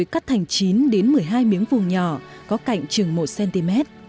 cắt thành chín đến một mươi hai miếng vung nhỏ có cạnh chừng một cm